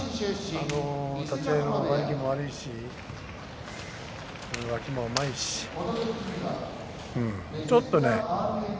立ち合いも悪いし脇も甘いし、ちょっとね。